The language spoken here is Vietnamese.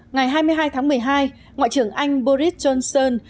ngày hai mươi hai tháng một mươi hai ngoại trưởng anh boris johnson